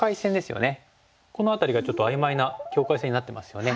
この辺りがちょっと曖昧な境界線になってますよね。